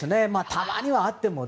たまにはあっても。